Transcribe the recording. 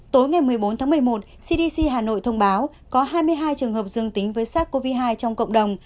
tối ngày một mươi bốn tháng một mươi một cdc hà nội thông báo có hai mươi hai trường hợp dương tính với sars cov hai trong cộng đồng